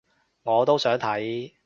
我都想睇